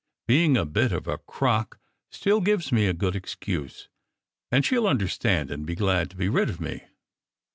Being a bit of a crock still gives me a good excuse, and she ll understand and be glad to be rid of me."